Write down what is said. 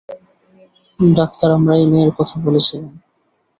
Doctor, আমরা এই মেয়ের কথা বলেছিলাম।